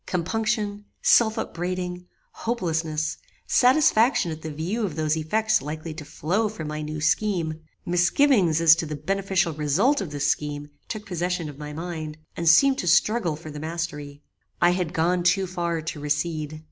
Compunction, self upbraiding, hopelesness, satisfaction at the view of those effects likely to flow from my new scheme, misgivings as to the beneficial result of this scheme took possession of my mind, and seemed to struggle for the mastery. "I had gone too far to recede.